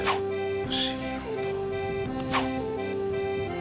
不思議なんだ。